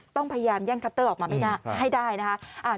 ต้องพยายามแย่งคัตเตอร์ออกมาให้ได้นะคะ